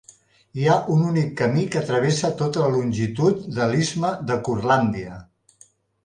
Hi ha un únic camí que travessa tota la longitud de l'Istme de Curlàndia.